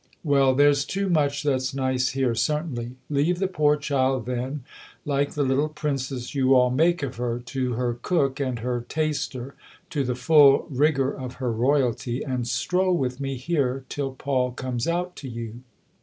Well, there's too much that's nice here, certainly! Leave the poor child then, like the little princess you all make of her, to her cook and her ( taster,' to the full rigour of her royalty, and stroll with me here till Paul comes out to you."